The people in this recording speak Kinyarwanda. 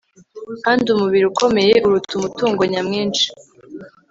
kandi umubiri ukomeye uruta umutungo nyamwinshi